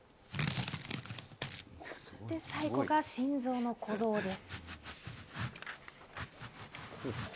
そして最後が心臓の鼓動です。